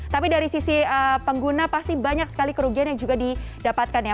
tapi dari sisi pengguna pasti banyak sekali kerugian yang juga didapatkan ya